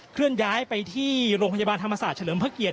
เลื่อนย้ายไปที่โรงพยาบาลธรรมศาสตร์เฉลิมพระเกียรติ